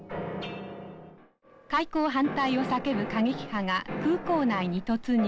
開港反対を叫ぶ過激派が空港内に突入。